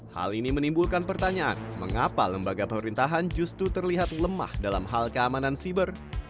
hal ini menimbulkan pertanyaan mengapa lembaga pemerintahan justru terlihat lemah dalam hal keamanan siber